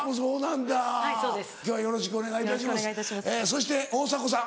そして大迫さん。